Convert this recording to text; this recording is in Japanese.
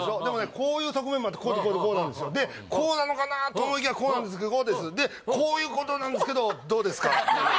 こういう側面もあってこうでこうでこうなんですよでこうなのかなと思いきやこうなんですけどこうですでこういうことなんですけどどうですか？